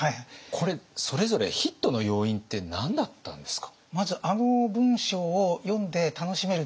これそれぞれヒットの要因って何だったんですか？